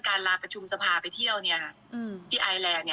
การลาประชุมสภาไปเที่ยวที่ไอ้แสน